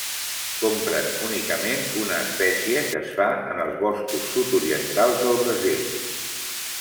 Comprèn únicament una espècie, que es fa en els boscos sud-orientals del Brasil.